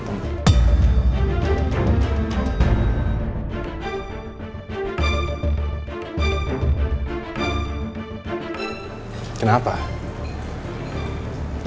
tidak ada gitu pak lo